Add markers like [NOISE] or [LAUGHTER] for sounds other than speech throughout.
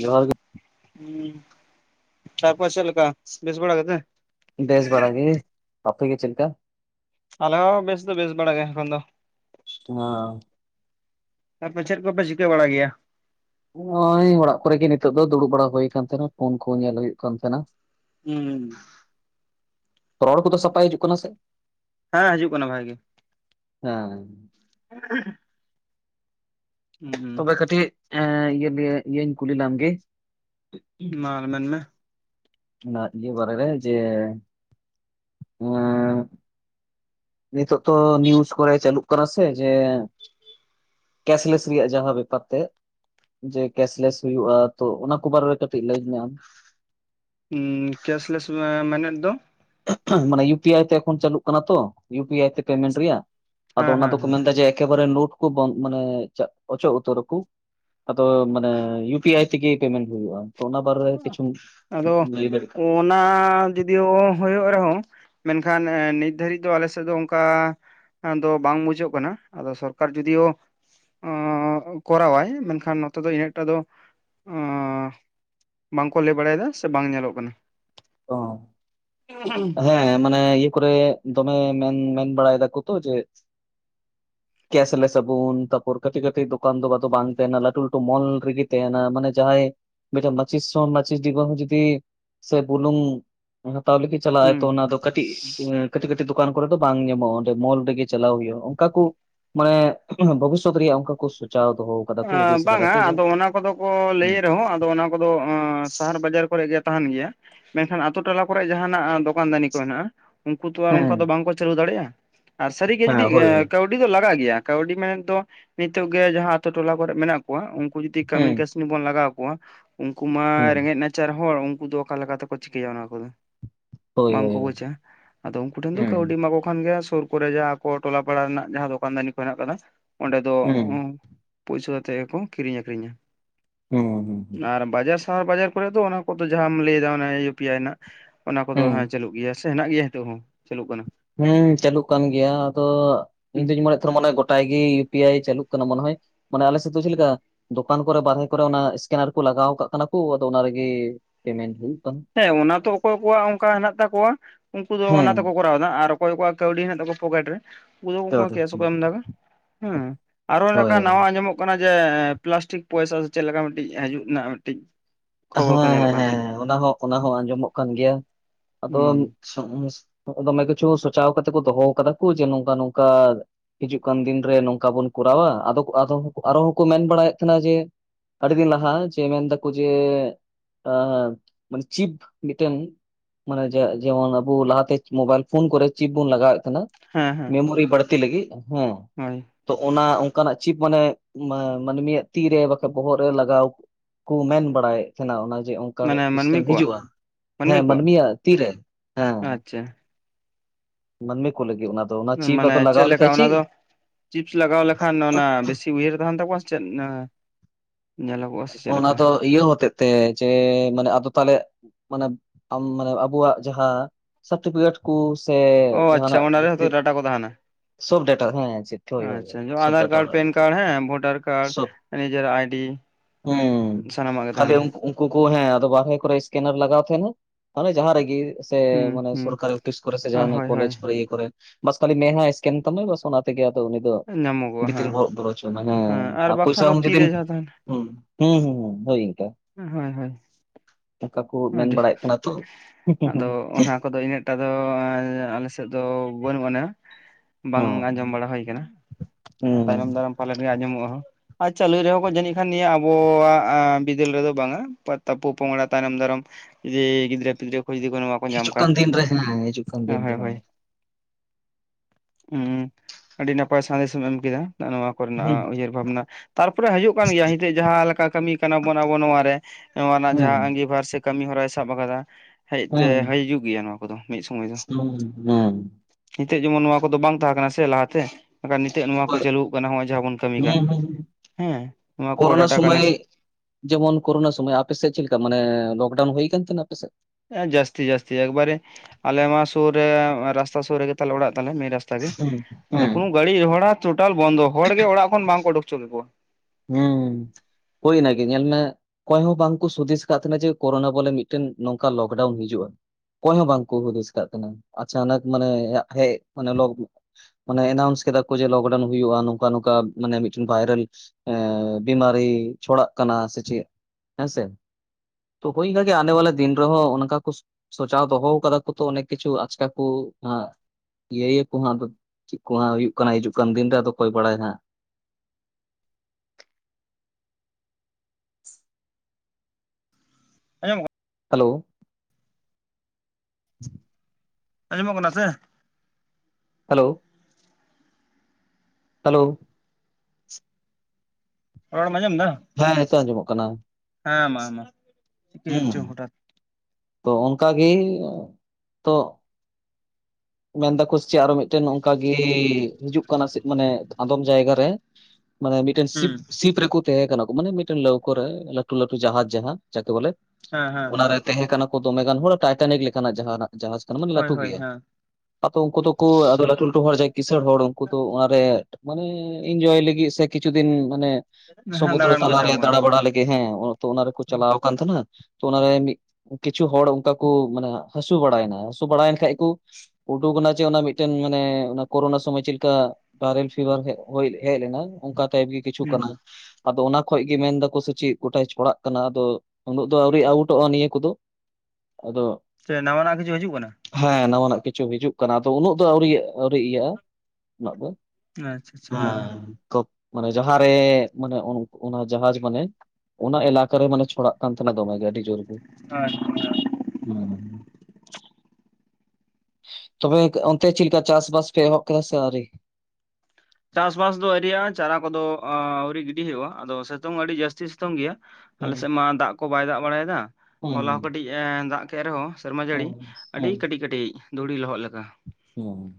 ᱡᱚᱦᱟᱨ ᱜᱮ ᱦᱩᱸ ᱛᱟᱨᱯᱚᱨᱮ ᱪᱮᱫ ᱞᱮᱠᱟ ᱵᱮᱥ ᱵᱟᱲᱟ ᱜᱮᱥᱮ? ᱵᱮᱥ ᱵᱟᱲᱟ ᱜᱮ ᱟᱯᱮ ᱜᱮ ᱪᱮᱫ ᱞᱮᱠᱟ? ᱟᱞᱮ ᱦᱚᱸ ᱵᱮᱥ ᱫᱚ ᱵᱮᱥ ᱵᱟᱲᱟ ᱜᱮ ᱮᱠᱷᱚᱱ ᱫᱚ [UNINTELLIGIBLE] ᱟᱯᱮ ᱪᱮᱫ ᱠᱚᱯᱮ ᱪᱤᱠᱟᱹ ᱵᱟᱲᱟᱭ ᱜᱮᱭᱟ? ᱱᱚᱜ-ᱚᱭ ᱚᱲᱟᱜ ᱠᱚᱨᱮ ᱜᱮ ᱱᱤᱛᱚᱜ ᱫᱚ ᱫᱩᱲᱩᱵ ᱵᱟᱲᱟ ᱦᱳᱭ ᱠᱟᱱ ᱛᱟᱦᱮᱱᱟ ᱯᱷᱳᱱ ᱠᱚ ᱧᱮᱞ ᱦᱳᱭᱳᱜ ᱠᱟᱱ ᱛᱟᱦᱮᱱᱟ ᱦᱩᱸ ᱦᱩᱸ ᱦᱩᱸ ᱨᱚᱲ ᱠᱚᱫᱚ ᱥᱟᱯᱷᱟ ᱦᱤᱡᱩᱜ ᱠᱟᱱᱟ ᱥᱮ? ᱦᱮᱸ ᱦᱤᱡᱩᱜ ᱠᱟᱱᱟ ᱵᱷᱟᱜᱮ ᱜᱮ ᱦᱮᱸ [UNINTELLIGIBLE] ᱛᱚᱵᱮ ᱠᱟᱹᱴᱤᱡ ᱮᱸᱻᱤᱭᱟᱹᱫᱤ ᱤᱭᱟᱹᱧ ᱠᱩᱞᱤ ᱞᱮᱢᱜᱮ ᱢᱟ ᱢᱮᱱᱢᱮ ᱚᱱᱟ ᱤᱭᱟᱹ ᱵᱟᱨᱮ ᱨᱮ ᱡᱮ ᱮᱸᱼᱼ ᱱᱤᱛᱚᱜ ᱛᱚ ᱱᱤᱭᱩᱥ ᱠᱚᱨᱮ ᱪᱟᱹᱞᱩᱜ ᱠᱟᱱᱟ ᱥᱮ ᱡᱮᱼᱼ ᱠᱮᱥᱞᱮᱥ ᱨᱮᱭᱟᱜ ᱡᱟᱦᱟᱸ ᱵᱮᱯᱟᱨ ᱛᱮᱜᱼᱼ ᱡᱮ ᱠᱮᱥᱼᱞᱮᱥ ᱦᱩᱭᱩᱜ-ᱟ ᱛᱚ ᱚᱱᱟ ᱠᱩ ᱵᱟᱨᱮ ᱨᱮ ᱠᱟᱹᱴᱤᱡ ᱞᱟᱹᱭ ᱢᱮ ᱟᱢ? ᱩᱸᱻ ᱠᱮᱥᱼᱞᱮᱥ ᱢᱟᱱᱮ ᱢᱮᱱᱮᱛ ᱫᱚ? ᱢᱟᱱᱮ ᱤᱭᱩ ᱯᱤ ᱟᱭ ᱛᱮ ᱮᱠᱷᱚᱱ ᱪᱟᱹᱞᱩᱜ ᱠᱟᱱᱟ ᱛᱚ ᱤᱭᱩ ᱯᱤ ᱟᱭ ᱛᱮ ᱯᱮᱢᱮᱱᱴ ᱨᱮᱭᱟᱜ᱾ ᱟᱫᱚ ᱦᱮᱸ ᱚᱱᱟ ᱦᱮᱸ ᱫᱚᱠᱚ ᱦᱮᱸ ᱢᱮᱱ ᱮᱫᱟ ᱡᱮ ᱮᱠᱮᱵᱟᱨᱮ ᱱᱳᱴ ᱠᱚ ᱵᱚᱱᱫᱽ ᱢᱟᱱᱮ ᱚᱪᱚᱜ ᱩᱛᱟᱹᱨᱟ ᱟᱠᱩ᱾ ᱟᱫᱚ ᱢᱟᱱᱮ ᱤᱭᱩ ᱯᱤ ᱟᱭ ᱛᱮᱜᱮ ᱯᱮᱢᱮᱱᱴ ᱦᱩᱭᱩᱜ-ᱟ᱾ ᱛᱚ ᱚᱱᱟ ᱵᱟᱨᱮ ᱨᱮ ᱠᱤᱪᱷᱩᱢ ᱟᱫᱚ ᱞᱟᱹᱭ‌ ᱫᱟᱹᱲᱤᱟᱜ ᱠᱷᱟᱡ᱾ ᱚᱱᱟ ᱡᱩᱫᱤᱭᱳ ᱦᱚᱭᱚᱜ ᱨᱮᱦᱚᱸ ᱢᱮᱱᱠᱷᱟᱱ ᱱᱤᱛ ᱫᱷᱟᱹᱨᱤᱡ ᱫᱚ ᱟᱞᱮ ᱥᱮᱜ ᱫᱚ ᱚᱱᱠᱟᱼᱼ ᱦᱮᱸ ᱟᱫᱚ ᱵᱟᱝ ᱵᱩᱡᱷᱟᱹᱜ ᱠᱟᱱᱟ ᱟᱫᱚ ᱥᱚᱨᱠᱟᱨ ᱡᱩᱫᱤᱭᱳ ᱚᱸ ᱻᱠᱚᱨᱟᱣᱟᱭ ᱢᱮᱱᱠᱷᱟᱱ ᱱᱚᱛᱮ ᱫᱚ ᱤᱱᱟᱹᱜᱴᱟ ᱫᱚ ᱚᱸ ᱻ ᱵᱟᱝ ᱠᱚ ᱞᱟᱹᱭ ᱵᱟᱲᱟᱭ ᱮᱫᱟ ᱥᱮ ᱵᱟᱝ ᱧᱮᱞᱚᱜ ᱠᱟᱱᱟ᱾ ᱚᱸᱻ᱾ ᱦᱩᱸ ᱦᱩᱸ᱾ ᱦᱮᱸ ᱢᱟᱱᱮ ᱤᱭᱟᱹ ᱠᱚᱨᱮ ᱫᱚᱢᱮ ᱢᱮᱱ ᱢᱮᱱ ᱵᱟᱲᱟᱭ ᱮᱫᱟ ᱠᱚ ᱛᱚ ᱡᱮᱼᱼ [UNINTELLIGIBLE] ᱠᱮᱥᱼᱞᱮᱥ ᱟᱹᱵᱩᱱ ᱛᱟᱯᱚᱨ ᱠᱟᱹᱴᱤᱡ ᱠᱟᱹᱴᱤᱡ ᱫᱚᱠᱟᱱ ᱫᱚ ᱟᱫᱚ ᱵᱟᱝ ᱛᱮᱦᱮᱱᱟ ᱞᱟᱹᱴᱩ ᱞᱟᱹᱴᱩ ᱢᱚᱞ ᱨᱮᱜᱮ ᱛᱮᱦᱮᱱᱟ ᱢᱟᱱᱮ ᱡᱟᱦᱟᱸᱭᱼᱼ ᱢᱤᱜᱴᱟᱜ ᱢᱟᱹᱪᱤᱥ ᱦᱚᱸ ᱢᱟᱹᱪᱤᱥ ᱰᱤᱵᱟᱹ ᱦᱚᱸ ᱡᱩᱫᱤ ᱥᱮ ᱵᱩᱞᱩᱝ ᱦᱟᱛᱟᱣ ᱞᱟᱹᱜᱤᱫ ᱼᱼ ᱪᱟᱞᱟᱜ-ᱟᱭ ᱦᱩᱸ ᱛᱚ ᱚᱱᱟ ᱫᱚ ᱠᱟᱹᱴᱤᱡᱼᱼ ᱚᱸᱻᱮᱸ ᱠᱟᱹᱴᱤᱡ ᱠᱟᱹᱴᱤᱡ ᱫᱚᱠᱟᱱ ᱠᱚᱨᱮ ᱫᱚ ᱵᱟᱝ ᱧᱟᱢᱚᱜ-ᱟ ᱚᱸᱰᱮ ᱢᱚᱞ ᱨᱮᱜᱮ ᱪᱟᱞᱟᱣ ᱦᱩᱭᱩᱜ-ᱟ ᱚᱱᱠᱟ ᱠᱩᱼᱼ ᱢᱟᱱᱮ ᱵᱷᱟᱹᱵᱤᱥᱚᱛ ᱨᱮᱭᱟᱜ ᱚᱱᱠᱟ ᱠᱚ ᱥᱩᱪᱟᱣ ᱫᱚᱦᱚᱣᱼᱼ ᱟ ᱵᱟᱝᱟ ᱟᱫᱚ ᱚᱱᱟ ᱠᱚᱫᱚ ᱠᱚ ᱦᱩᱸ ᱞᱟᱹᱭ ᱨᱮᱦᱚᱸ ᱟᱫᱚ ᱚᱱᱟ ᱠᱚᱫᱚ ᱚᱸᱻ ᱥᱟᱦᱟᱨ ᱵᱟᱡᱟᱨ ᱠᱚᱨᱮ ᱜᱮ ᱛᱟᱦᱮᱱ ᱜᱮᱭᱟ᱾ ᱢᱮᱱᱠᱷᱟᱱ ᱟᱛᱚ ᱴᱚᱞᱟ ᱠᱚᱨᱮ ᱡᱟᱦᱟᱸ ᱱᱟᱜ ᱫᱚᱠᱟᱱ ᱫᱟᱹᱱᱤ ᱠᱚ ᱦᱮᱱᱟᱜ-ᱟ ᱩᱱᱠᱩ ᱛᱚ ᱟᱨ ᱦᱮᱸ ᱚᱱᱠᱟ ᱫᱚ ᱵᱟᱝ ᱠᱚ ᱪᱟᱹᱞᱩ ᱫᱟᱲᱮᱜ-ᱟ᱾ ᱟᱨ ᱥᱟᱹᱨᱤ ᱜᱮ ᱦᱮᱸ ᱡᱩᱫᱤ ᱦᱳᱭ ᱦᱳᱭ ᱮᱸ ᱠᱟᱹᱣᱰᱤ ᱫᱚ ᱞᱟᱜᱟᱜ ᱜᱮᱭᱟ ᱠᱟᱹᱣᱰᱤ ᱢᱮᱱᱮᱛ ᱫᱚ ᱱᱤᱛᱚᱜ ᱜᱮ ᱡᱟᱦᱟᱸᱼᱼ ᱟᱛᱳ ᱴᱚᱞᱟ ᱠᱚᱨᱮ ᱢᱮᱱᱟᱜ ᱠᱚᱣᱟ ᱩᱱᱠᱩ ᱡᱩᱫᱤ ᱠᱟᱹᱢᱤ ᱦᱮᱸ ᱠᱟᱹᱥᱱᱤ ᱵᱚᱱ ᱞᱟᱜᱟᱣ ᱠᱚᱣᱟ ᱩᱱᱠᱩ ᱢᱟ ᱦᱮᱸ ᱨᱮᱸᱜᱮᱡ ᱱᱟᱪᱼᱼ ᱟᱨ ᱦᱚᱲ ᱩᱱᱠᱩ ᱫᱚ ᱚᱠᱟ ᱞᱮᱠᱟ ᱛᱮᱠᱚ ᱪᱤᱠᱟᱹᱭᱟ ᱚᱱᱟ ᱠᱚᱫᱚ᱾ ᱦᱳᱭ ᱵᱟᱝ ᱦᱳᱭ ᱠᱚ ᱵᱩᱡᱟ ᱟᱫᱚ ᱩᱱᱠᱩ ᱴᱷᱮᱱ ᱫᱚ ᱦᱮᱸ ᱠᱟᱹᱣᱰᱤ ᱮᱢᱟ ᱠᱚ ᱠᱷᱟᱱ ᱜᱮ ᱥᱳᱨ ᱠᱚᱨᱮ ᱡᱟᱦᱟᱸ ᱠᱚ ᱴᱚᱞᱟ ᱯᱟᱲᱟ ᱨᱮᱱᱟᱜ ᱡᱟᱦᱟᱸ ᱫᱚᱠᱟᱱ ᱫᱟᱱᱤ ᱠᱚ ᱦᱮᱱᱟᱜ ᱠᱟᱫᱟ ᱚᱸᱰᱮ ᱫᱚ ᱦᱩᱸ ᱚᱸᱼᱼ ᱯᱩᱭᱥᱟᱹ ᱟᱛᱮᱜ ᱜᱮᱠᱚ ᱠᱤᱨᱤᱧ ᱟᱹᱠᱷᱨᱤᱧᱟ ᱦᱩᱸ ᱦᱩᱸ ᱟᱨ ᱵᱟᱡᱟᱨ ᱥᱟᱼᱼ ᱦᱟᱨ ᱵᱟᱡᱟᱨ ᱠᱚᱨᱮ ᱫᱚ ᱚᱱᱟ ᱠᱚᱫᱚ ᱡᱟᱦᱟᱸᱢ ᱞᱟᱹᱭ ᱮᱫᱟ ᱚᱱᱮ ‌ ᱤᱭᱩ ᱯᱤ ᱟᱭ ᱨᱮᱱᱟᱜ ᱚᱱᱟ ᱠᱚᱫᱚ ᱦᱩᱸ ᱦᱮᱸ ᱪᱟᱹᱞᱩᱜ ᱜᱮᱭᱟ᱾ ᱥᱮ ᱦᱮᱱᱟᱜ ᱜᱮᱭᱟ ᱱᱤᱸᱛᱚᱜ ᱦᱚᱸ ᱪᱟᱹᱞᱩᱜ ᱠᱟᱱᱟ᱾ ᱦᱮᱸ ᱪᱟᱹᱞᱩᱜ ᱠᱟᱱ ᱜᱮᱭᱟ ᱟᱫᱚ ᱤᱧ ᱫᱩᱧ ᱢᱚᱱᱮᱭᱮᱫᱼᱼ ᱱᱮᱛᱟᱨ ᱢᱟᱱᱮ ᱜᱚᱴᱟ ᱜᱤ ᱤᱭᱩ ᱯᱤ ᱟᱭ ᱪᱟᱹᱞᱩᱜ ᱠᱟᱱᱟ ᱢᱚᱱᱮ ᱦᱚᱭ ᱢᱟᱱᱮ ᱟᱞᱮ ᱥᱮᱜ ᱫᱚ ᱪᱮᱜ ᱞᱮᱠᱟᱼᱼ ᱫᱚᱠᱟᱱ ᱠᱚᱨᱮ ᱵᱟᱨᱦᱮ ᱠᱚᱨᱮ ᱚᱱᱟ ᱮᱥᱠᱮᱱᱟᱨ ᱠᱚ ᱞᱟᱜᱟᱣ ᱠᱟᱜ ᱠᱟᱱᱟ ᱠᱩ ᱟᱫᱚ ᱚᱱᱟ ᱨᱮᱜᱮᱼᱼ ᱯᱮᱢᱮᱱᱴ ᱦᱩᱭᱩᱜ ᱠᱟᱱᱟ᱾ ᱦᱮᱸ ᱚᱱᱟ ᱛᱚ ᱚᱠᱚᱭ ᱠᱚᱣᱟᱜ ᱚᱱᱠᱟ ᱦᱮᱱᱟᱜ ᱛᱟᱠᱚᱣᱟ ᱩᱱᱠᱩ ᱫᱚ ᱚᱱᱟ ᱦᱮᱸ ᱛᱮᱠᱚ ᱠᱚᱼᱼ ᱠᱚᱨᱟᱣ ᱮᱫᱟ ᱟᱨ ᱚᱠᱚᱭ ᱠᱚᱣᱟᱜ ᱠᱟᱹᱣᱰᱤ ᱦᱮᱱᱟᱜ ᱛᱟᱠᱚᱣᱟ ᱯᱚᱠᱮᱴ ᱨᱮᱼᱼ ᱩᱱᱠᱩ ᱫᱚ ᱠᱚ ᱠᱟᱹᱣᱰᱤ ᱠᱮᱥ ᱦᱚᱸᱠᱚ ᱮᱢ ᱮᱫᱟ ᱠᱚ ᱦᱮᱸ ᱟᱨᱚ ᱱᱟᱦᱟᱜ ᱦᱳᱭ ᱠᱷᱟᱱ ᱱᱟᱣᱟ ᱟᱸᱡᱚᱢᱚᱜᱼᱼ ᱠᱟᱱᱟ ᱡᱮ ᱯᱞᱟᱥᱴᱤᱠ ᱯᱚᱭᱥᱟ ᱥᱮ ᱪᱮᱫ ᱞᱮᱠᱟ ᱢᱤᱫᱴᱤᱡ ᱦᱟᱹᱡᱩᱜ ᱨᱮᱱᱟᱜ ᱢᱤᱫᱴᱤᱡᱼᱼ ᱦᱮᱸ ᱦᱮᱸ ᱦᱮᱸ ᱚᱱᱟ ᱦᱚᱸ ᱚᱱᱟ ᱦᱚᱸ ᱟᱸᱡᱚᱢᱚᱜ ᱠᱟᱱ ᱜᱮᱭᱟ ᱟᱫᱚᱼᱼ ᱦᱩᱸ ᱥᱚᱢ ᱮᱥ ᱚ ᱫᱚᱢᱮ ᱠᱤᱪᱷᱩ ᱥᱚᱪᱟᱣ ᱠᱟᱛᱮᱜ ᱠᱚ ᱫᱚᱦᱚᱣ ᱟᱠᱟᱫᱟ ᱠᱩ ᱡᱮ ᱱᱚᱝᱠᱟ ᱱᱚᱝᱠᱟᱼᱼ ᱦᱤᱡᱩᱜ ᱠᱟᱱ ᱫᱤᱱ ᱨᱮ ᱱᱚᱝᱠᱟ ᱵᱚᱱ ᱠᱚᱨᱟᱣᱟ ᱟᱫᱚ ᱠᱚ ᱟᱫᱚ ᱟᱨᱚ ᱦᱚᱸᱠᱚ ᱢᱮᱱ ᱵᱟᱲᱟᱭᱮᱜ ᱛᱟᱦᱮᱱᱟ ᱡᱮᱼᱼ ᱟᱹᱰᱤ ᱫᱤᱱ ᱞᱟᱦᱟ ᱢᱮᱱ ᱫᱟ ᱠᱩ ᱡᱮᱼᱼ ᱮᱜ ᱟᱨ ᱢᱟᱱᱮ ᱪᱤᱯ ᱢᱤᱫᱴᱮᱱᱼᱼ ᱢᱟᱱᱮ ᱡᱮ ᱡᱮᱢᱚᱱ ᱟᱹᱵᱩ ᱞᱟᱦᱟ ᱛᱮ ᱢᱳᱵᱟᱭᱤᱞ ᱯᱷᱩᱱ ᱠᱚᱨᱮ ᱪᱤᱯ ᱵᱩᱱ ᱞᱟᱜᱟᱣᱮᱜ ᱛᱮᱦᱮᱱᱟ᱾ ᱢᱮᱢᱳᱨᱤ ᱵᱟᱹᱲᱛᱤ ᱞᱟᱹᱜᱤᱫ ᱦᱮᱸ᱾ ᱦᱚᱭ᱾ ᱛᱚ ᱚᱱᱟ ᱚᱱᱠᱟ ᱱᱟᱜ ᱪᱤᱯ ᱢᱟᱱᱮ ᱢᱟ ᱢᱟᱱᱢᱤ ᱭᱟᱜ ᱛᱤ ᱨᱮ ᱵᱟᱠᱷᱟᱡ ᱵᱚᱦᱚᱜ ᱨᱮ ᱞᱟᱜᱟᱣᱼᱼ ᱠᱩ ᱢᱮᱱ ᱵᱟᱲᱟᱭᱮᱜ ᱛᱮᱦᱮᱱᱟ ᱚᱱᱟ ᱡᱮᱼᱼ ᱚᱱᱠᱟ ᱢᱟᱱᱮ ᱢᱟᱹᱱᱢᱤ ᱥᱤᱥᱴᱮᱢ ᱠᱚᱣᱟᱜ ᱦᱤᱡᱩᱜ-ᱟ ᱦᱮᱸ ᱢᱟᱹᱱᱢᱤ ᱟᱜ ᱛᱤᱨᱮ, ᱦᱮᱸ᱾ ᱟᱪᱪᱷᱟ ᱢᱟᱹᱱᱢᱤ ᱠᱚ ᱞᱟᱹᱜᱤᱫ ᱚᱱᱟᱼᱼ ᱢᱟᱱᱮ ᱪᱮᱫ ᱞᱮᱠᱟ ᱚᱱᱟ ᱫᱚ? ᱪᱤᱯᱥ ᱞᱟᱜᱟᱣ ᱞᱮᱠᱷᱟᱱ ᱚᱱᱟ ᱵᱮᱥᱤ ᱩᱭᱦᱟᱹᱨ ᱛᱟᱦᱮᱱ ᱛᱟᱠᱚᱣᱟ᱾ ᱪᱮᱫ ᱮᱸ ᱧᱮᱞᱚᱜᱚᱜᱼᱟ ᱥᱮ ᱪᱮᱫ ᱚᱱᱟ ᱞᱮᱠᱟ? ᱫᱚ ᱤᱭᱟᱹ ᱦᱚᱛᱮᱫ ᱛᱮ᱾ ᱡᱮ ᱢᱟᱱᱮ ᱟᱫᱚ ᱛᱟᱦᱟᱞᱮ ᱼᱼ ᱢᱟᱱᱮ ᱟᱢ ᱢᱟᱱᱮ ᱟᱵᱚᱣᱟᱜ ᱡᱟᱦᱟ ᱥᱟᱨᱴᱤᱯᱷᱤᱠᱮᱴ᱾ ᱠᱚ ᱥᱮ ᱚ ᱟᱪᱪᱷᱟ ᱡᱟᱦᱟᱱᱟᱜ ᱚᱱᱟᱨᱮ ᱦᱚᱭᱛᱳ ᱰᱟᱴᱟ ᱠᱚ ᱛᱟᱦᱮᱱᱟ [INAUDIBLE] ᱥᱩᱵᱷ [UNINTELLIGIBLE] ᱰᱟᱴᱟ ᱦᱮᱸ ᱪᱮᱫ ᱞᱮᱠᱟ ᱦᱩᱭᱩᱜ ᱜᱮᱭᱟ ᱟᱪᱪᱷᱟ ᱥᱩᱵᱷ [UNINTELLIGIBLE] ᱟᱫᱷᱟᱨ ᱰᱟᱴᱟ ᱠᱟᱨᱰ ᱚᱱᱟ ᱯᱮᱱ ᱨᱮᱜᱮ ᱠᱟᱨᱰ ᱪᱟᱞᱟᱜᱼᱟ ᱦᱮᱸ ᱵᱷᱳᱴᱟᱨ ᱠᱟᱨᱰ ᱥᱩᱵᱷ [UNINTELLIGIBLE] ᱱᱤᱡᱮᱨᱟᱜ ᱟᱭᱰᱤ ᱥᱟᱱᱟᱢᱟᱜ ᱜᱮ ᱛᱟᱦᱮᱱᱟ। ᱠᱩ ᱠᱚ ᱦᱮᱸ ᱟᱫᱚ ᱵᱟᱨᱦᱮ ᱠᱚᱨᱮ ᱥᱠᱮᱱᱟᱨ ᱞᱟᱜᱟᱣ ᱛᱟᱦᱮᱸᱱᱟ᱾ ᱟᱨ ᱡᱟᱦᱟᱸ ᱨᱮᱜᱮ ᱼᱼ ᱥᱮ ᱦᱩᱸ ᱢᱟᱱᱮ ᱦᱩᱸ ᱥᱚᱨᱠᱟᱨᱤ ᱚᱯᱷᱤᱥ ᱠᱚᱨᱮ ᱥᱮ ᱡᱟᱦᱟᱱ ᱦᱳᱭ ᱦᱳᱭ ᱠᱚᱞᱮᱡᱽ ᱠᱚᱨᱮ ᱤᱭᱟᱹ ᱠᱚᱨᱮ ᱵᱟᱥ ᱠᱷᱟᱞᱤ ᱢᱮᱫ ᱦᱟᱸᱜ ᱥᱠᱮᱱ ᱛᱟᱢᱟᱭ ᱵᱟᱥ ᱚᱱᱟ ᱼᱼ ᱛᱮᱜᱮ ᱟᱫᱚ ᱩᱱᱤ ᱫᱚ ᱧᱟᱢᱚᱜᱚᱜᱼᱟ ᱵᱷᱤᱛᱤᱨ ᱦᱮᱸ ᱵᱚ ᱵᱚᱞᱚ ᱦᱚᱪᱚ ᱟᱢᱟᱭ᱾ ᱦᱮᱸ ᱟᱨ ᱵᱟᱠᱷᱟᱱ ᱯᱚᱭᱥᱟ ᱫᱚ ᱦᱚᱸ ᱛᱤᱨᱮ ᱡᱩᱫᱤᱢ ᱼᱼ ᱡᱟᱦᱟᱸ ᱛᱟᱦᱮᱱᱟ ᱦᱩᱸ ᱦᱩᱸ ᱦᱩᱸ ᱦᱩᱸ ᱵᱷᱟᱜᱤ [INAUDIBLE] ᱜᱮ ᱛᱚ। ᱦᱳᱭ ᱦᱳᱭ ᱚᱱᱠᱟ ᱠᱚ ᱢᱮᱱ ᱟᱹᱰᱤ ᱵᱟᱲᱟᱭᱮᱫ ᱛᱟᱦᱮᱱᱟ ᱛᱚ। ᱟᱫᱚ ᱚᱱᱟ ᱠᱚᱫᱚ ᱤᱱᱟᱹᱜᱴᱟ ᱫᱚ ᱟᱞᱮᱥᱮᱫ ᱫᱚ ᱵᱟᱹᱱᱩᱜ ᱟᱱᱟ। ᱵᱟᱝ ᱦᱚᱸ ᱟᱸᱡᱚᱢ ᱵᱟᱲᱟ ᱦᱩᱭ ᱟᱠᱟᱱᱟ ᱟᱨ ᱦᱩᱸ ᱛᱟᱭᱚᱢᱱ ᱫᱟᱨᱟᱢ ᱯᱟᱞᱮᱱ ᱜᱮ ᱟᱸᱡᱚᱢᱚᱜ ᱦᱟᱸᱜ। ᱟᱪᱪᱷᱟ ᱞᱟᱹᱭ ᱨᱮᱦᱚᱸ ᱠᱚ ᱡᱟᱹᱱᱤᱡ ᱠᱷᱟᱱ ᱱᱤᱭᱟᱹ ᱟᱵᱚᱣᱟᱜ ᱵᱤᱫᱟᱹᱞ ᱨᱮᱫᱚ ᱵᱟᱝ ᱟ᱾ ᱯᱟ ᱛᱟᱯᱩ ᱯᱚᱝᱲᱟ ᱛᱟᱭᱱᱚᱢ ᱫᱟᱨᱚᱢ ᱼᱼ ᱡᱮ ᱜᱤᱫᱽᱨᱟᱹ ᱯᱚᱫᱽᱨᱟᱹ ᱠᱚ ᱡᱩᱫᱤ ᱠᱚ ᱱᱚᱣᱟ ᱼᱼ ᱦᱤᱡᱩᱜ ᱠᱟᱱ ᱫᱤᱱ ᱨᱮ ᱦᱮᱸ ᱦᱤᱡᱩᱜ ᱠᱟᱱ ᱫᱤᱱ ᱨᱮ ᱦᱮᱸ। ᱩᱸᱻ ᱟᱹᱰᱤ ᱱᱟᱯᱟᱭ ᱥᱟᱸᱫᱮᱥ ᱮᱢ ᱠᱮᱫᱟ ᱱᱚᱜ-ᱚ ᱱᱚᱣᱟ। ᱦᱩᱸ ᱠᱚᱨᱮᱱᱟᱜ ᱩᱭᱦᱟᱹᱨ ᱵᱷᱟᱵᱱᱟ ᱛᱟᱨᱯᱚᱨᱮ ᱦᱟᱡᱩᱜ ᱠᱟᱱ ᱜᱮᱭᱟ ᱦᱤᱛᱚᱜ ᱡᱟᱦᱟᱸ ᱞᱮᱠᱟ ᱠᱟᱹᱢᱤ ᱠᱟᱱᱟ ᱵᱚᱱ ᱟᱵᱚ ᱱᱚᱣᱟ ᱨᱮ। ᱱᱚᱣᱟ ᱨᱮᱱᱟᱜ ᱦᱩᱸ ᱡᱟᱦᱟᱸ ᱟᱸᱜᱤᱵᱷᱟᱨ ᱥᱮ ᱠᱟᱹᱢᱤ ᱦᱚᱨᱟᱭ ᱥᱟᱵ ᱟᱠᱟᱫᱟ। ᱦᱮᱡ ᱦᱩᱸ ᱛᱮ ᱦᱩᱸ ᱦᱟᱡᱩᱜ ᱜᱮᱭᱟ ᱱᱚᱣᱟ ᱠᱚᱫᱚ ᱢᱤᱫ ᱥᱚᱢᱚᱭ ᱫᱚ। ᱦᱩᱸ ᱱᱤᱛᱚᱜ ᱡᱮᱢᱚᱱ ᱱᱚᱣᱟ ᱠᱚᱫᱚ ᱵᱟᱝ ᱛᱟᱦᱮᱸ ᱠᱟᱱᱟ ᱥᱮ ᱞᱟᱦᱟᱛᱮ। ᱢᱮᱱᱠᱷᱟᱱ ᱱᱤᱛᱚᱜ ᱱᱚᱣᱟ ᱠᱚ ᱪᱟᱹᱞᱩ ᱠᱟᱱᱟ ᱱᱚᱜᱚᱭ ᱡᱟᱦᱟᱸ ᱵᱚᱱ ᱠᱟᱹᱢᱤ ᱠᱟᱱ᱾ ᱦᱩᱸ ᱦᱩᱸ ᱦᱮᱸ ᱱᱚᱣᱟ ᱠᱚ ᱠᱳᱨᱳᱱᱟ ᱰᱟᱴᱟ ᱠᱟᱱᱮᱠᱥ ᱥᱚᱢᱚᱭ ᱼᱼ ᱡᱮᱢᱚᱱ ᱠᱚᱨᱳᱱᱟ ᱥᱚᱢᱚᱭ ᱟᱯᱮᱥᱮᱫ ᱪᱮᱫ ᱞᱮᱠᱟ ᱢᱟᱱᱮ ᱞᱚᱠᱰᱟᱣᱩᱱ ᱦᱩᱭ ᱠᱟᱱ ᱛᱟᱦᱮᱱᱟ ᱟᱯᱮᱥᱮᱫ? ᱮᱸ ᱡᱟᱹᱥᱛᱤ ᱡᱟᱹᱥᱛᱤ ᱮᱠᱵᱟᱨᱮ ᱟᱞᱮ ᱢᱟ ᱥᱩᱨ ᱨᱮ ᱨᱟᱥᱛᱟ ᱥᱩᱨ ᱨᱮ ᱜᱮ ᱚᱲᱟᱜ ᱛᱟᱞᱮ ᱢᱮᱱ ᱨᱟᱥᱛᱟ। [INAUDIBLE] ᱛᱟᱜᱮ ᱦᱩᱸ ᱟᱫᱚ ᱦᱩᱸ ᱠᱳᱱᱳ ᱜᱟᱹᱲᱤ ᱨᱷᱚᱲᱟ ᱴᱳᱴᱟᱞ ᱵᱚᱱᱫᱚ ᱦᱚᱲ ᱜᱮ ᱚᱲᱟᱜ ᱠᱷᱚᱱ ᱵᱟᱝᱠᱚ ᱚᱰᱚᱠᱪᱚ ᱠᱮᱠᱚᱣᱟ। ᱦᱩᱸ ᱦᱚᱭ ᱚᱱᱟ ᱜᱮ ᱧᱮᱞ ᱢᱮ᱾ ᱚᱠᱚᱭ ᱦᱚᱸ ᱵᱟᱝ ᱠᱚ ᱥᱩᱫᱤᱥ ᱠᱟᱜ ᱛᱟᱦᱮᱸᱱᱟ ᱡᱮ ᱠᱳᱨᱳᱱᱟ ᱵᱚᱞᱮ ᱢᱤᱫᱴᱮᱱ ᱱᱚᱝᱠᱟ ᱞᱚᱠᱰᱟᱣᱩᱱ ᱦᱤᱡᱩᱜᱼᱟ। ᱚᱠᱚᱭ ᱦᱚᱸ ᱵᱟᱝ ᱠᱚ ᱦᱩᱫᱤᱥ ᱟᱠᱟᱜ ᱛᱟᱦᱮᱸᱱᱟ ᱟᱪᱟᱱᱟᱠ ᱢᱟᱱᱮ ᱦᱮᱡ ᱢᱟᱱᱮ ᱞᱚᱠ ᱼᱼ ᱢᱟᱱᱮ ᱮᱱᱟᱣᱩᱱᱥ ᱠᱮᱫᱟ ᱠᱚ ᱡᱮ ᱞᱚᱠᱰᱟᱣᱩᱱ ᱦᱩᱭᱩᱜᱼᱟ ᱱᱚᱝᱠᱟ ᱱᱚᱝᱠᱟ ᱢᱟᱱᱮ ᱢᱤᱫᱴᱮᱱ ᱵᱷᱟᱭᱨᱟᱞ ᱼᱼ ᱵᱤᱢᱟᱨᱤ ᱪᱷᱚᱲᱟᱜ ᱠᱟᱱᱟ ᱥᱮ ᱪᱮᱫ ᱦᱮᱸᱥᱮ। ᱛᱚ ᱦᱩᱭ ᱫᱟᱲᱮᱭᱟᱼᱟ ᱟᱱᱮ ᱵᱟᱞᱟ ᱫᱤᱱ ᱨᱮᱦᱚ ᱚᱱᱠᱟ ᱠᱚ ᱼᱼ ᱥᱚᱡᱟᱣ ᱫᱚᱦᱚ ᱠᱟᱫᱟ ᱠᱚ ᱛᱚ ᱚᱱᱮᱠ ᱠᱤᱪᱷᱩ ᱟᱪᱠᱟ ᱠᱚ ᱦᱟᱸᱜ। ᱤᱭᱟᱹ ᱭᱟ ᱠᱚ ᱦᱟᱸᱜ ᱟᱫᱚ ᱪᱮᱫ ᱠᱚ ᱦᱟᱸᱜ ᱦᱩᱭᱩᱜ ᱠᱟᱱᱟ ᱦᱤᱡᱩᱜ ᱠᱟᱱ ᱫᱤᱱᱨᱮ ᱟᱫᱚ ᱚᱠᱚᱭ ᱵᱟᱲᱟᱭᱟ ᱦᱟᱸᱜ। ᱟ [INAUDIBLE] ᱦᱮᱞᱳ [INAUDIBLE] ᱟᱸᱡᱚᱢᱚᱜ ᱠᱟᱱᱟ ᱥᱮ ᱦᱮᱞᱳ ᱦᱮᱞᱳ ᱨᱚᱲ ᱮᱢ ᱟᱸᱡᱚᱢ ᱫᱟ? ᱦᱮᱸ ᱱᱤᱛᱚᱜ ᱟᱸᱡᱚᱢᱚᱜ ᱠᱟᱱᱟ। ᱦᱮᱸ ᱢᱟ ᱢᱟ ᱦᱮᱸ ᱪᱤᱠᱟᱹᱭᱮᱱ ᱪᱚ ᱦᱚᱴᱟᱛ ᱛᱚ ᱚᱱᱠᱟᱜᱮ ᱛᱚᱜ ᱢᱮᱱ ᱫᱟᱠᱚ ᱪᱮᱫ ᱟᱨᱚ ᱢᱤᱫᱴᱮᱱ ᱚᱱᱠᱟᱜᱮ ᱦᱤᱡᱩᱜ ᱠᱟᱱᱟ ᱥᱮ ᱪᱮᱫ ᱢᱟᱱᱮ ᱟᱫᱚᱢ ᱡᱟᱭᱜᱟ ᱨᱮ। ᱢᱟᱱᱮ ᱢᱤᱫᱴᱮᱱ ᱥᱤᱯ ᱦᱩᱸ ᱥᱤᱯ ᱨᱮᱠᱚ ᱛᱟᱦᱮᱸ ᱠᱟᱱᱟ ᱠᱚ ᱢᱟᱱᱮ ᱢᱤᱫᱴᱮᱱ ᱞᱟᱹᱣᱠᱟᱹ ᱨᱮ ᱞᱟᱹᱴᱩ ᱞᱟᱹᱴᱩ ᱡᱟᱦᱟᱡᱽ ᱡᱟᱦᱟᱸ ᱡᱟᱠᱮ ᱵᱚᱞᱮ। ᱦᱮᱸ ᱦᱮᱸ ᱚᱱᱟᱨᱮ ᱛᱟᱦᱮᱸ ᱠᱟᱱᱟ ᱠᱚ ᱫᱚᱢᱮᱜᱟᱱ ᱦᱚᱲ ᱴᱟᱭᱴᱟᱱᱤᱠ ᱞᱮᱠᱟᱱᱟᱜ ᱡᱟᱦᱱᱟᱜ ᱡᱟᱦᱟᱡ ᱠᱟᱱᱟ ᱢᱟᱱᱮ ᱦᱳᱭ ᱞᱟᱹᱴᱩ ᱦᱳᱭ ᱜᱮᱭᱟ। ᱦᱮᱸ ᱟᱫᱚ ᱩᱱᱠᱩ ᱫᱚᱠᱚ ᱟᱫᱚ ᱞᱟᱹᱴᱩ ᱞᱟᱹᱴᱩ ᱦᱚᱲ ᱡᱟᱦᱟᱭ ᱠᱤᱥᱟᱹᱬ ᱦᱚᱲ ᱩᱱᱠᱩ ᱫᱚ ᱚᱱᱟᱮ ᱼᱼ ᱢᱟᱱᱮ ᱮᱧᱡᱚᱭ ᱞᱟᱹᱜᱤᱫ ᱥᱮ ᱠᱤᱪᱷᱩ ᱫᱤᱱ ᱢᱟᱱᱮ ᱼᱼ ᱦᱮᱸ ᱥᱚᱢᱩᱫᱨᱚ ᱫᱟᱬᱟᱱ ᱠᱚ ᱛᱟᱞᱟᱨᱮ ᱪᱟᱣ ᱠᱟᱱᱟ ᱫᱟᱬᱟ ᱵᱟᱲᱟ ᱞᱮᱜᱮ ᱦᱮᱸ ᱚ ᱛᱚ ᱚᱱᱟ ᱨᱮᱠᱚ ᱪᱟᱞᱟᱣ ᱟᱠᱟᱱ ᱛᱟᱦᱮᱱᱟ᱾ ᱛᱚ ᱚᱱᱟᱨᱮ ᱢᱤᱫ ᱠᱤᱪᱷᱩ ᱦᱚᱲ ᱚᱱᱠᱟ ᱠᱚ ᱢᱟᱱᱮ ᱦᱟᱹᱥᱩ ᱵᱟᱲᱟᱭᱮᱱᱟ ᱦᱟᱹᱥᱩ ᱵᱟᱲᱟᱭᱮᱱ ᱠᱷᱟᱡ ᱠᱚ ᱩᱰᱩᱠ ᱱᱟ ᱪᱮ ᱚᱱᱟ ᱢᱤᱫᱴᱮᱱ ᱢᱟᱱᱮ ᱚᱱᱟ ᱠᱳᱨᱳᱱᱟ ᱥᱚᱢᱚᱭ ᱪᱮᱫ ᱞᱮᱠᱟ? ᱵᱷᱟᱭᱨᱮᱟᱞ ᱯᱷᱤᱵᱷᱟᱨ ᱦᱮᱡ ᱦᱩᱭ ᱦᱮᱡ ᱞᱮᱱᱟ ᱚᱱᱠᱟ ᱛᱮ ᱜᱮ ᱠᱤᱪᱷᱩ ᱦᱩᱸ ᱠᱟᱱᱟ᱾ ᱟᱫᱚ ᱚᱱᱟ ᱠᱷᱚᱡ ᱜᱮ ᱢᱮᱱ ᱫᱟᱠᱚ ᱥᱮ ᱪᱮᱫ ᱜᱚᱴᱟᱭ ᱪᱷᱚᱲᱟᱜ ᱠᱟᱱᱟ, ᱟᱫᱚ ᱩᱱᱟᱹᱜ ᱫᱚ ᱟᱹᱣᱨᱤ ᱟᱣᱩᱴᱚᱜᱼᱟ ᱱᱤᱭᱟᱹ ᱠᱚᱫᱚ, ᱟᱫᱚ ᱥᱮ ᱱᱟᱣᱟᱱᱟᱜ ᱠᱤᱪᱷᱩ ᱦᱤᱡᱩᱜ ᱠᱟᱱᱟ? ᱦᱮᱸ ᱱᱟᱣᱟᱱᱟᱜ ᱠᱤᱪᱷᱩ ᱦᱤᱡᱩᱜ ᱠᱟᱱᱟ ᱟᱫᱚ ᱩᱱᱟᱹᱜ ᱫᱚ ᱟᱹᱣᱨᱤ ᱟᱹᱣᱨᱤ ᱤᱭᱟᱹᱜ-ᱟ ᱩᱱᱟᱹᱜ ᱫᱚ᱾ ᱟᱪᱪᱷᱟ ᱟᱪᱪᱷᱟ ᱦᱮᱸ ᱦᱟᱸ ᱠᱚᱠ ᱢᱟᱱᱮ ᱡᱟᱦᱟᱸᱡ ᱢᱟᱱᱮ ᱚ ᱚᱱᱟ ᱡᱟᱦᱟᱡ ᱢᱟᱱᱮ, ᱚᱱᱟ ᱮᱞᱟᱠᱟᱨᱮ ᱢᱟᱱᱮ ᱪᱷᱚᱲᱟᱜ ᱠᱟᱱ ᱛᱟᱦᱮᱱᱟ ᱫᱚᱢᱮ ᱜᱮ ᱟᱹᱰᱤ ᱡᱳᱨ ᱜᱮ᱾ ᱟᱪᱪᱷᱟ ᱦᱩᱸᱻ ᱛᱚᱵᱮ ᱚᱱᱛᱮ ᱪᱮᱫᱠᱟ ᱪᱟᱥᱵᱟᱥ ᱯᱮ ᱮᱦᱚᱵ ᱠᱮᱫᱟ ᱥᱮ ᱟᱹᱣᱨᱤ? ᱪᱟᱥᱵᱟᱥ ᱫᱚ ᱟᱹᱣᱨᱤᱭᱟᱜ-ᱟ ᱪᱟᱨᱟ ᱠᱚᱫᱚ ᱟᱹᱣᱨᱤ ᱜᱤᱰᱤ ᱦᱩᱭᱩᱜ-ᱟ, ᱟᱫᱚ ᱥᱤᱛᱩᱝ ᱟᱹᱰᱤ ᱡᱟᱹᱥᱛᱤ ᱥᱤᱛᱩᱝ ᱜᱮᱭᱟ᱾ ᱦᱩᱸ ᱟᱞᱮᱥᱮᱫ ᱢᱟ ᱫᱟᱜ ᱠᱚ ᱵᱟᱭ ᱫᱟᱜ ᱵᱟᱲᱟᱭᱮᱫᱟ, ᱦᱩᱸ ᱦᱚᱞᱟ ᱦᱚᱸ ᱠᱟᱹᱴᱤᱡ ᱮᱸ ᱫᱟᱜ ᱠᱮᱫ ᱨᱮᱦᱚᱸ, ᱥᱮᱨᱢᱟ ᱡᱟᱹᱲᱤ, ᱦᱩᱸ ᱟᱹᱰᱤ ᱦᱩᱸ ᱠᱟᱹᱴᱤᱡ ᱠᱟᱹᱴᱤᱡ ᱫᱷᱩᱲᱤ ᱞᱚᱦᱚᱫ ᱞᱮᱠᱟ᱾ ᱦᱩᱸᱻ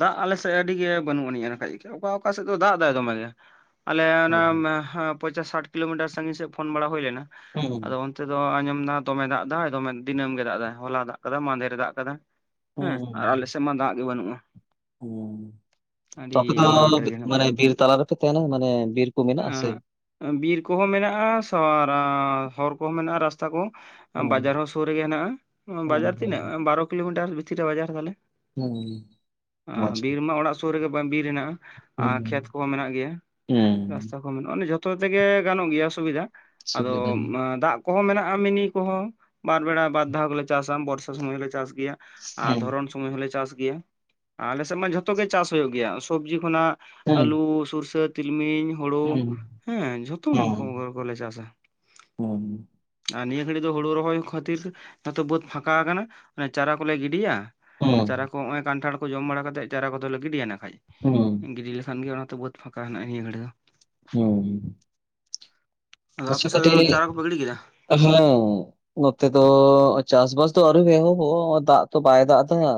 ᱫᱟᱜ ᱟᱞᱮ ᱥᱮᱫ ᱟᱹᱰᱤᱜᱮ ᱵᱟᱹᱱᱩᱜ ᱟᱹᱱᱤᱡ-ᱟ ᱮᱱᱠᱷᱟᱡ ᱜᱮ ᱚᱠᱟ ᱚᱠᱟ ᱥᱮᱫ ᱫᱚ ᱫᱟᱜ ᱮᱫᱟᱭ ᱫᱚᱢᱮ ᱜᱮ᱾ ᱟᱞᱮ ᱚᱱᱟ ᱢᱟᱦᱟ ᱯᱚᱧᱪᱟᱥ ᱥᱟᱴ ᱠᱤᱞᱳᱢᱤᱴᱟᱨ ᱥᱟᱺᱜᱤᱧ ᱥᱮᱫ ᱯᱷᱳᱱ ᱵᱟᱲᱟ ᱦᱩᱭ ᱞᱮᱱᱟ᱾ ᱟᱫᱚ ᱦᱩᱸ ᱛᱮᱫᱚ ᱟᱸᱡᱚᱢᱫᱟ ᱫᱚᱢᱮ ᱫᱟᱜ ᱮᱫᱟᱭ ᱫᱚᱢᱮ ᱫᱤᱱᱟᱹᱢ ᱜᱮ ᱫᱟᱜ ᱫᱟ ᱦᱚᱞᱟ ᱫᱟᱜ ᱠᱟᱫᱟ ᱢᱟᱱᱫᱷᱮᱨ ᱨᱮ ᱫᱟᱜ ᱠᱟᱫᱟ᱾ ᱦᱮᱸ ᱦᱩᱸ ᱟᱨ ᱟᱞᱮᱥᱮᱫ ᱢᱟ ᱫᱟᱜ ᱜᱮ ᱵᱟᱹᱱᱩᱜ-ᱟ᱾ ᱦᱩᱸ ᱛᱚ ᱟᱯᱮ ᱫᱚ ᱟᱱᱟᱴ ᱨᱮᱜᱮ ᱵᱤᱜ ᱦᱮᱱᱟᱜ ᱞᱮ ᱢᱟᱱᱮ ᱵᱤᱨ ᱛᱟᱞᱟ ᱨᱮᱯᱮ ᱛᱟᱦᱮᱱᱟ? ᱢᱟᱱᱮ ᱵᱤᱨ ᱠᱚ ᱢᱮᱱᱟᱜᱼᱟ ᱥᱮ ᱮᱸᱜ ᱵᱤᱨ ᱠᱚᱦᱚᱸ ᱢᱮᱱᱟᱜ-ᱟ ᱥᱚᱣᱟ ᱨᱟ ᱦᱚᱨ ᱠᱚᱦᱚᱸ ᱢᱮᱱᱟᱜ-ᱟ ᱨᱟᱥᱛᱟ ᱠᱚ᱾ ᱦᱩᱸ ᱵᱟᱡᱟᱨ ᱦᱚᱸ ᱥᱩᱨ ᱨᱮᱜᱮ ᱦᱮᱱᱟᱜ-ᱟ, ᱦᱩᱸ ᱵᱟᱡᱟᱨ ᱦᱳᱭ ᱛᱤᱱᱟᱹᱜ ᱦᱳᱭ ᱵᱟᱨᱚ ᱠᱤᱞᱳᱢᱤᱴᱟᱨ ᱵᱷᱤᱛᱤᱨ ᱨᱮ ᱵᱟᱡᱟᱨ ᱛᱟᱞᱮ᱾ ᱦᱩᱸ ᱟᱸ ᱢᱚᱡᱽ ᱜᱮ ᱵᱤᱨ ᱢᱟ ᱚᱲᱟᱜ ᱥᱩᱨ ᱨᱮᱜᱮ ᱵᱮᱢ ᱵᱤᱨ ᱦᱮᱱᱟᱜ-ᱟ ᱟᱨ ᱠᱷᱮᱛ ᱠᱚᱦᱚᱸ ᱢᱮᱱᱟᱜ ᱜᱮᱭᱟ᱾ ᱩᱸ ᱨᱟᱥᱛᱟ ᱠᱚ ᱢᱮᱱᱟᱜ-ᱟ, ᱡᱷᱚᱛᱚ ᱛᱮᱜᱮ ᱜᱟᱱᱚᱜ ᱜᱮᱭᱟ ᱥᱩᱵᱤᱫᱷᱟ ᱟᱫᱚ ᱥᱩᱵᱤᱫᱷᱟ ᱜᱮ ᱟᱸ ᱫᱟᱜ ᱠᱚᱦᱚᱸ ᱢᱮᱱᱟᱜᱼᱟ ᱢᱤᱱᱤ ᱠᱚᱦᱚᱸ ᱵᱟᱨ ᱵᱮᱲᱟ ᱵᱟᱨ ᱫᱷᱟᱣ ᱫᱚᱞᱮ ᱪᱟᱥᱟ ᱵᱚᱨᱥᱟ ᱥᱩᱢᱟᱹᱭ ᱦᱚᱸᱞᱮ ᱪᱟᱥ ᱜᱮᱭᱟ᱾ ᱟᱨ ᱦᱩᱸ ᱫᱷᱚᱨᱚᱱ ᱥᱚᱢᱚᱭ ᱦᱚᱸᱞᱮ ᱪᱟᱥ ᱜᱮᱭᱟ ᱟᱞᱮ ᱥᱮᱫ ᱢᱟ ᱡᱷᱚᱛᱚ ᱜᱮ ᱪᱟᱥ ᱦᱩᱭᱩᱜ ᱜᱮᱭᱟ ᱥᱚᱵᱡᱤ ᱠᱷᱚᱱᱟᱜ ᱦᱩᱸ ᱟᱹᱞᱩ ᱥᱩᱨᱥᱟᱹ ᱛᱤᱞᱢᱤᱧ ᱦᱩᱲᱩ ᱦᱩᱸ ᱦᱮᱸ ᱡᱷᱚᱛᱚ ᱦᱩᱸ ᱢᱚᱦᱚ ᱠᱚᱞᱮ ᱪᱟᱥᱟ ᱦᱩᱸ ᱟᱨ ᱱᱤᱭᱟᱹ ᱜᱷᱟᱹᱲᱤᱡ ᱫᱚ ᱦᱩᱲᱩ ᱨᱚᱦᱚᱭ ᱠᱚᱦᱚᱸ ᱛᱷᱤᱨ ᱡᱚᱛᱚ ᱵᱟᱹᱫᱽ ᱯᱷᱟᱸᱠᱟ ᱟᱠᱟᱱᱟᱮ ᱪᱟᱨᱟ ᱠᱚᱞᱮ ᱜᱤᱰᱤᱭᱟ᱾ ᱦᱩᱸ ᱪᱟᱨᱟ ᱠᱚ ᱱᱚᱜ-ᱚᱭ ᱠᱟᱱᱴᱷᱟᱲ ᱠᱚ ᱡᱚᱢ ᱵᱟᱲᱟ ᱠᱟᱛᱮᱫ ᱪᱟᱨᱟ ᱠᱚᱫᱚᱞᱮ ᱜᱤᱰᱤᱭᱟ ᱱᱟᱠᱷᱟᱡ᱾ ᱦᱩᱸ ᱜᱤᱰᱤ ᱞᱮᱠᱷᱟᱱ ᱜᱮ ᱚᱱᱟ ᱵᱟᱹᱫᱽ ᱯᱷᱟᱸᱠᱟ ᱦᱮᱱᱟᱜ ᱱᱤᱭᱟᱹ ᱜᱷᱟᱹᱲᱤ ᱫᱚ᱾ ᱦᱩᱸ ᱟᱫᱚ ᱟᱯᱮ ᱠᱤᱪᱷᱩ ᱥᱮᱫ ᱠᱟᱹᱴᱤᱡ ᱫᱚ ᱪᱟᱨᱟ ᱠᱚᱯᱮ ᱜᱤᱰᱤ ᱠᱮᱫᱟ ᱦᱮᱸ, ᱱᱚᱛᱮ ᱫᱚ ᱪᱟᱥᱵᱟᱥ ᱫᱚ ᱟᱹᱣᱨᱤ ᱦᱩᱭᱩᱜ-ᱟ ᱦᱩᱭ ᱫᱚ ᱫᱟᱜ ᱛᱚ ᱵᱟᱭ ᱫᱟᱜ ᱠᱟᱫᱟ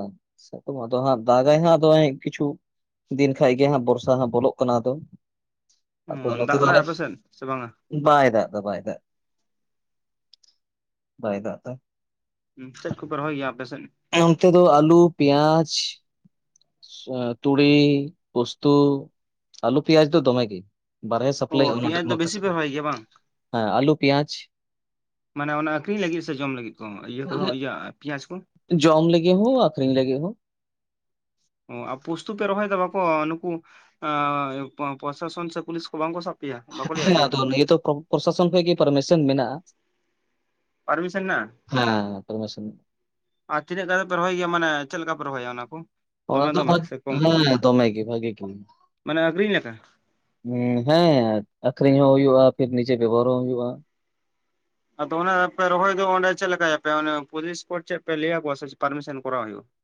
ᱥᱤᱛᱩᱝᱟ ᱟᱫᱚ ᱦᱟᱸᱜ ᱫᱟᱜᱟᱭ ᱦᱟᱸᱜ ᱟᱫᱚ ᱦᱟᱸᱜ ᱠᱤᱪᱷᱩ᱾ ᱫᱤᱱ ᱠᱷᱟᱡ ᱜᱮ ᱦᱟᱸᱜ ᱵᱚᱨᱥᱟ ᱦᱟᱸᱜ ᱵᱚᱞᱚᱜ ᱠᱟᱱᱟ ᱟᱫᱚ᱾ ᱟᱫᱚ ᱚᱸ ᱱᱚᱛᱮ ᱫᱟᱜ ᱫᱚ ᱫᱟᱭ ᱟᱞᱮ ᱟᱯᱮᱥᱮᱫ ᱥᱮ ᱵᱟᱝᱟ? ᱵᱟᱭ ᱫᱟᱜᱫᱟ ᱵᱟᱭ ᱫᱟ, ᱵᱟᱭ ᱫᱟᱜ ᱫᱟ᱾ ᱩᱸ ᱪᱮᱫ ᱠᱚᱯᱮ ᱨᱚᱦᱚᱭ ᱜᱮᱭᱟ ᱟᱯᱮᱥᱮᱫ? ᱚᱱᱛᱮ ᱫᱚ ᱟᱹᱞᱩ, ᱯᱮᱭᱟᱡᱽ ᱮᱸ ᱛᱩᱲᱤ ᱯᱚᱥᱛᱩ ᱟᱹᱞᱩ ᱯᱮᱸᱭᱟᱡᱽ ᱫᱚ ᱫᱚᱢᱮ ᱜᱮ᱾ ᱵᱟᱦᱨᱮ ᱚ ᱥᱟᱯᱞᱟᱭᱚᱜ-ᱟ ᱚᱱᱟ ᱯᱮᱸᱭᱟᱡᱽ ᱫᱚ ᱵᱮᱥᱤ ᱯᱮ ᱨᱚᱦᱚᱭ ᱜᱮᱭᱟ ᱵᱟᱝ [INAUDIBLE] ᱦᱮᱸ ᱟᱞᱩ ᱯᱮᱭᱟᱡᱽ ᱢᱟᱱᱮ ᱚᱱᱟ ᱟᱹᱠᱷᱨᱤᱧ ᱞᱟᱹᱜᱤᱫ ᱥᱮ ᱡᱚᱢ ᱞᱟᱹᱜᱤᱫ ᱠᱚ ᱤᱭᱟᱹ ᱠᱚᱫᱚ ᱤᱭᱟᱹ ᱯᱮᱸᱭᱟᱡᱽ ᱠᱚ ᱡᱚᱢ ᱞᱟᱹᱜᱤᱜ ᱦᱚᱸ ᱟᱹᱠᱷᱨᱤᱧ ᱞᱟᱹᱜᱤᱜ ᱦᱚᱸ ᱚ ᱯᱩᱥᱛᱩ ᱯᱮ ᱨᱚᱦᱚᱭ ᱫᱟ ᱵᱟᱠᱚ ᱱᱩᱠᱩ ᱯᱨᱚᱥᱟᱥᱚᱱ ᱥᱮ ᱯᱩᱞᱤᱥ ᱠᱚ ᱵᱟᱝᱠᱚ ᱥᱟᱵ ᱯᱮᱭᱟ ᱵᱟᱠᱚ ᱞᱟᱹᱭ ᱮ ᱟᱯᱮᱭᱟ ᱟᱫᱚ ᱞᱟᱹᱭ ᱫᱚ ᱯᱨᱚᱵ ᱯᱨᱚᱥᱟᱥᱚᱱ ᱠᱷᱚᱡ ᱜᱤ ᱯᱟᱨᱢᱤᱥᱚᱱ ᱢᱮᱱᱟᱜᱼᱟ ᱾ ᱯᱟᱨᱢᱤᱥᱟᱱ ᱱᱟ ᱟᱨ ᱛᱤᱱᱟᱹᱜ ᱠᱟᱛᱮ ᱯᱮ ᱨᱚᱦᱚᱭ ᱜᱮᱭᱟ ᱢᱟᱱᱮ ᱪᱮᱜ ᱞᱮᱠᱟᱯᱮ ᱨᱚᱦᱚᱭᱟ ᱚᱱᱟ ᱠᱩ ᱾ ᱚᱱᱟ ᱫᱚ ᱵᱚᱫ ᱦᱮᱸ ᱫᱚᱢᱮ ᱜᱮ ᱵᱷᱟᱜᱤ ᱢᱟᱱᱮ ᱟᱠᱷᱨᱤᱧ ᱞᱮᱠᱟ ᱦᱮᱸ ᱟᱠᱷᱨᱤᱧ ᱦᱚᱸ ᱦᱩᱭᱩᱜᱼᱟ ᱯᱷᱤᱨ ᱱᱤᱡᱮ ᱵᱮᱵᱚᱦᱟᱨ ᱦᱚᱸ ᱦᱩᱭᱩᱜᱼᱟ ᱾ ᱟᱫᱚ ᱚᱱᱟ ᱨᱮᱯᱮ ᱨᱚᱦᱚᱭ ᱫᱚ ᱚᱸᱰᱮ ᱪᱮᱜ ᱞᱮᱠᱟᱭ ᱟᱯᱮ ᱚᱱᱮ ᱯᱩᱞᱤᱥ ᱠᱚ ᱪᱮᱜ ᱯᱮ ᱞᱟᱹᱭᱟᱠᱚᱣᱟ ᱥᱮ ᱯᱟᱨᱢᱤᱥᱟᱱ ᱠᱚᱨᱟᱣ ᱦᱩᱭᱩᱜᱼᱟ ᱾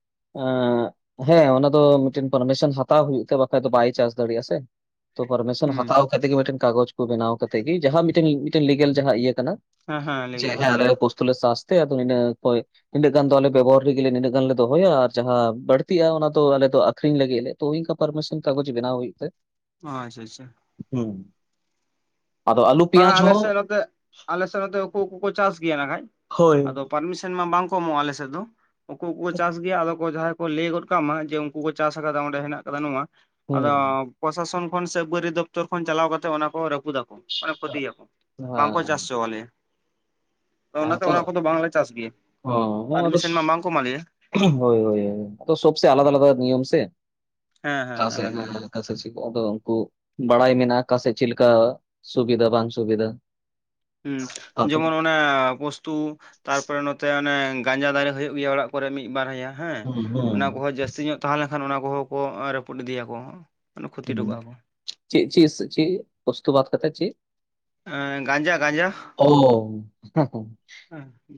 ᱦᱮᱸ ᱚᱱᱟ ᱫᱚ ᱢᱤᱫᱴᱮᱱ ᱯᱟᱨᱢᱤᱥᱚᱱ ᱦᱟᱛᱟᱣ ᱦᱩᱭᱩᱜ ᱛᱮ ᱵᱟᱠᱷᱟᱡ ᱫᱚ ᱵᱟᱭ ᱪᱟᱥ ᱫᱟᱲᱮᱭᱟᱜᱼᱟ ᱥᱮ ᱾ ᱛᱚ ᱯᱟᱨᱢᱤᱥᱟᱱ ᱦᱩᱸ ᱦᱟᱛᱟᱣ ᱠᱟᱛᱮᱜ ᱜᱤ ᱢᱤᱴᱮᱱ ᱠᱟᱜᱚᱡ ᱠᱚ ᱵᱮᱱᱟᱣ ᱠᱟᱛᱮ ᱜᱤ ᱡᱟᱦᱟᱸ ᱢᱤᱴᱮᱱ ᱞᱤᱜᱮᱞ ᱡᱟᱦᱟᱸ ᱤᱭᱟᱹ ᱠᱟᱱᱟ ᱦᱮᱸ ᱦᱮᱸ ᱾ ᱞᱟᱹᱭ ᱪᱮᱦᱮᱸ ᱜᱮᱭᱟᱞᱤᱧ ᱟᱞᱮ ᱯᱚᱥᱛᱳ ᱞᱮ ᱥᱟᱥᱛᱮ ᱟᱫᱚᱹ ᱤᱱᱟᱹᱜ ᱠᱚᱭ ᱤᱱᱟᱹᱜ ᱜᱟᱱ ᱫᱚ ᱟᱞᱮ ᱵᱮᱵᱚᱦᱟᱨ ᱞᱤᱜᱤᱜ ᱱᱤᱱᱟᱹᱜ ᱜᱟᱱᱞᱮ ᱫᱚᱦᱚ ᱦᱳᱭ ᱟᱨ ᱡᱟᱦᱟᱸ ᱵᱟᱹᱲᱛᱤᱜ-ᱟ ᱚᱱᱟ ᱫᱚ ᱟᱞᱮ ᱫᱚ ᱟᱹᱠᱷᱨᱤᱧ ᱞᱟᱹᱜᱤᱫ ᱞᱮ ᱛᱚ ᱚᱱᱮᱚᱱᱠᱟ ᱯᱟᱨᱢᱤᱥᱚᱱ ᱠᱟᱜᱚᱡᱽ ᱵᱮᱱᱟᱣ ᱦᱩᱭᱩᱜ ᱛᱮ, ᱚ ᱟᱪᱷᱟ ᱟᱪᱪᱷᱟ᱾ ᱦᱩᱢ ᱟᱫᱚ ᱟᱞᱩ ᱯᱤᱭᱟᱡ ᱦᱚᱸ ᱟᱞᱮᱥᱮᱜ ᱱᱚᱛᱮ ᱩᱠᱩ ᱩᱠᱩ ᱠᱚ ᱪᱟᱥ ᱜᱤᱭᱟ ᱱᱟᱠᱷᱟᱡ ᱦᱳᱭ ᱟᱫᱚ ᱯᱟᱨᱢᱤᱥᱚᱱ ᱢᱟ ᱵᱟᱝ ᱠᱚ ᱮᱢᱚᱜᱼᱟ ᱟᱞᱮᱥᱮᱫ ᱫᱚ ᱾ ᱩᱠᱩ ᱩᱠᱩ ᱪᱟᱥ ᱜᱮᱭᱟ ᱟᱫᱚ ᱠᱚ ᱡᱟᱦᱟᱸᱭ ᱠᱚ ᱞᱟᱹᱭ ᱜᱚᱫ ᱠᱟᱜ ᱢᱟ ᱡᱮ ᱩᱱᱠᱩ ᱠᱚ ᱪᱟᱥ ᱟᱠᱟᱫᱟ ᱚᱸᱰᱮ ᱦᱮᱱᱟᱜ ᱟᱠᱟᱫᱟ ᱱᱚᱣᱟ ᱾ ᱟᱫᱚ ᱦᱩᱸ ᱯᱨᱚᱥᱟᱥᱚᱱ ᱠᱷᱚᱱ ᱥᱮ ᱵᱟᱹᱨᱤ ᱫᱚᱯᱛᱚᱨ ᱠᱷᱚᱱ ᱪᱟᱞᱟᱣ ᱠᱟᱛᱮᱫ ᱚᱱᱟᱠᱚ ᱨᱟᱹᱯᱩ ᱫᱟᱠᱚ ᱾ ᱢᱟᱱᱮ ᱠᱷᱚᱛᱤ ᱭᱟᱢ ᱦᱮᱸ ᱵᱟᱝᱠᱚ ᱪᱟᱥ ᱪᱚᱞᱤᱭᱟ ᱾ ᱚᱱᱟᱛᱮ ᱦᱮᱸᱛᱚ ᱚᱱᱟ ᱠᱚᱫᱚ ᱵᱟᱝᱞᱮ ᱪᱟᱥ ᱜᱮᱭᱟ ᱦᱚᱸ ᱟᱫᱚ ᱯᱟᱨᱢᱤᱥᱟᱱ ᱢᱟ ᱵᱟᱝ ᱠᱚ ᱮᱢᱟ ᱞᱮᱭᱟ ᱾ ᱦᱳᱭ ᱭᱳᱭᱳ ᱥᱚᱵ ᱥᱮ ᱟᱞᱟᱫᱟ ᱟᱞᱟᱫᱟ ᱱᱤᱭᱚᱢ ᱥᱮ ᱦᱮᱸ ᱠᱟᱥᱮ ᱟᱞᱟᱜᱽ ᱦᱮᱸ ᱜᱮ ᱦᱮᱸ [UNINTELLIGIBLE] ᱟᱫᱚ ᱩᱱᱠᱩ ᱵᱟᱲᱟᱭ ᱢᱮᱱᱟᱜᱼᱟ ᱠᱟᱥᱮᱜ ᱪᱤᱞᱠᱟ ᱥᱩᱵᱤᱫᱷᱟ ᱵᱟᱝ ᱥᱩᱵᱤᱫᱷᱟ ᱾ ᱦᱩᱸ ᱡᱮᱢᱚᱱ ᱚᱱᱮ ᱯᱩᱥᱛᱩ ᱛᱟᱨᱯᱚᱨ ᱱᱚᱛᱮ ᱚᱱᱮ ᱜᱟᱸᱡᱟ ᱫᱟᱨᱮ ᱦᱳᱭᱳᱜ ᱜᱮᱭᱟ ᱚᱲᱟᱜ ᱠᱚᱨᱮ ᱢᱤᱫ ᱵᱟᱨᱦᱟᱭᱟ ᱦᱮᱸ ᱦᱩᱸ ᱦᱩᱸ ᱚᱱᱟ ᱠᱚᱦᱚᱸ ᱡᱟᱹᱥᱛᱤ ᱧᱚᱜ ᱛᱟᱦᱮ ᱞᱮᱠᱷᱟᱱ ᱚᱱᱟ ᱠᱚᱦᱚᱸ ᱠᱚ ᱨᱟᱹᱯᱩᱫ ᱤᱫᱤᱭᱟᱠᱚ ᱠᱷᱚᱛᱤ ᱦᱚᱴᱚ ᱠᱟᱜᱼᱟ ᱠᱚ ᱪᱤᱜ ᱪᱤᱥ ᱪᱤᱜ ᱯᱚᱥᱛᱳ ᱵᱟᱛ ᱠᱟᱛᱮᱜ ᱪᱮᱜ ᱜᱟᱸᱡᱟ ᱜᱟᱸᱡᱟ [INAUDIBLE]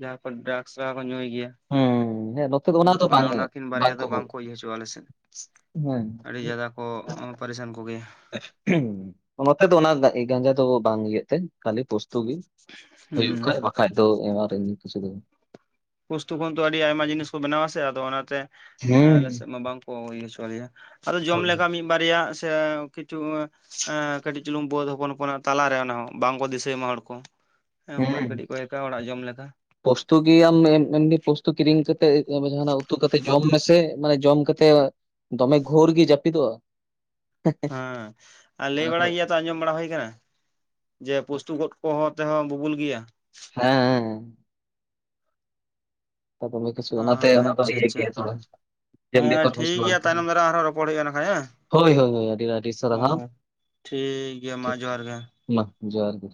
ᱡᱟᱦᱟᱸ ᱠᱚ ᱰᱨᱟᱠᱥ ᱠᱚ ᱧᱩᱭ ᱜᱮᱭᱟ ᱦᱮᱸ ᱦᱮᱸ ᱱᱚᱛᱮ ᱫᱚ ᱦᱩ ᱫᱚ ᱚᱱᱟ ᱵᱟᱝ ᱚᱱᱟᱠᱤᱱ ᱵᱟᱨᱭᱟ ᱫᱚ ᱵᱟᱝᱠᱚ ᱤᱭᱟᱹ ᱦᱚᱪᱚᱜᱼᱟ ᱟᱞᱮ ᱥᱮᱜ ᱦᱮᱸ ᱟᱹᱰᱤ ᱡᱟᱭᱜᱟ ᱠᱚ ᱯᱟᱨᱤᱥᱟᱱ ᱠᱚᱜᱮᱭᱟ ᱱᱚᱛᱮ ᱫᱚ ᱚᱱᱟ ᱜᱟᱸᱡᱟ ᱫᱚ ᱵᱟᱝ ᱤᱭᱟᱹᱜ ᱛᱮ ᱠᱷᱟᱹᱞᱤ ᱯᱚᱥᱛᱳ ᱜᱤ ᱦᱩᱭᱩᱜ ᱦᱩᱸ ᱠᱷᱟᱡ ᱵᱟᱠᱷᱟᱡ ᱫᱚ ᱮᱢᱟᱨ ᱮᱢᱱᱤ ᱠᱤᱪᱷᱩ ᱫᱚ ᱵᱟᱝ ᱯᱩᱥᱛᱩ ᱠᱷᱚᱱ ᱛᱚ ᱟᱹᱰᱤ ᱟᱭᱢᱟ ᱡᱤᱱᱤᱥ ᱠᱚ ᱵᱮᱱᱟᱣᱟ ᱥᱮ ᱟᱫᱚ ᱚᱱᱟᱛᱮ ᱦᱩᱸ ᱟᱞᱮᱥᱮᱫ ᱢᱟ ᱵᱟᱝ ᱠᱚ ᱤᱭᱟᱹ ᱦᱚᱪᱚ ᱟᱞᱮᱭᱮ ᱟᱫᱚ ᱡᱚᱢ ᱞᱮᱠᱟ ᱢᱤᱫ ᱵᱟᱨᱭᱟ ᱥᱮ ᱠᱤᱪᱷᱩ ᱠᱟᱹᱴᱤᱡ ᱪᱩᱞᱩᱝ ᱵᱟᱹᱫ ᱦᱚᱯᱚᱱ ᱦᱚᱯᱚᱱᱟᱜ ᱛᱟᱞᱟᱨᱮ ᱚᱱᱟ ᱦᱚᱸ ᱵᱟᱝᱠᱚ ᱫᱤᱥᱟᱹᱭᱢᱟ ᱦᱚᱲ ᱠᱚ ᱦᱮᱸ ᱚᱱᱠᱟᱱ ᱠᱟᱹᱴᱤᱡ ᱠᱚ ᱮᱢᱟᱭ ᱟᱲᱟᱜ ᱡᱚᱢ ᱞᱮᱠᱟ ᱯᱚᱥᱛᱩ ᱜᱤ ᱟᱢ ᱮᱢᱱᱤ ᱯᱚᱥᱛᱩ ᱠᱤᱨᱤᱧ ᱠᱟᱛᱮᱜ ᱡᱟᱦᱟᱱᱟᱜ ᱩᱛᱩ ᱠᱟᱛᱮ ᱡᱚᱢ ᱢᱮᱥ ᱥᱮ ᱢᱟᱱᱮ ᱡᱚᱢ ᱠᱟᱛᱮ ᱫᱚᱢᱮ ᱜᱷᱳᱨ ᱜᱮ ᱡᱟᱹᱯᱤᱫᱚᱜᱼᱟ ᱾ ᱦᱮᱸ ᱞᱟᱹᱭ ᱚᱱᱟ ᱫᱚ᱾ ᱵᱟᱲᱟᱭ ᱜᱮᱭᱟ ᱟᱸᱡᱚᱢ ᱵᱟᱲᱟ ᱦᱩᱭ ᱠᱟᱱᱟ ᱡᱮ ᱯᱩᱥᱛᱩ ᱜᱚᱫ ᱠᱚᱦᱚᱸ ᱛᱮᱦᱚᱸ ᱵᱩᱵᱩᱞ ᱜᱮᱭᱟ ᱦᱮᱸ ᱦᱮᱸ ᱫᱚᱢᱮ ᱠᱩᱥᱤ ᱚᱱᱟᱛᱮ ᱟᱪᱪᱷᱟ ᱤᱭᱟᱹ ᱟᱪᱪᱷᱟ ᱜᱮᱭᱟ ᱛᱚ ᱦᱮᱸ ᱴᱷᱤᱠ ᱜᱮᱭᱟ ᱛᱟᱭᱱᱚᱢ ᱫᱟᱨᱟᱢ ᱟᱨᱦᱚᱸ ᱨᱚᱯᱚᱲ ᱦᱩᱭᱩᱜᱼᱟ ᱱᱟᱠᱷᱟᱡ ᱦᱮᱸ [UNINTELLIGIBLE] ᱦᱳᱭ ᱦᱳᱭ ᱟᱹᱰᱤ ᱟᱹᱰᱤ ᱦᱳᱭ ᱥᱟᱨᱦᱟᱣ ᱦᱳᱭ ᱴᱷᱤᱠ ᱜᱮᱭᱟ ᱢᱟ ᱴᱷᱤᱠ ᱡᱚᱦᱟᱨ ᱴᱷᱤᱠ ᱜᱮ ᱢᱟ ᱡᱚᱦᱟᱨ ᱜᱮ